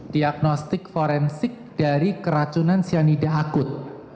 diagnostik forensik dari keracunan cyanida akut